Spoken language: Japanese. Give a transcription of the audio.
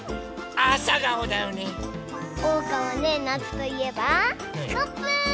おうかはねなつといえばスコップ！